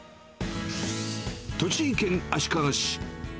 栃木県足利市。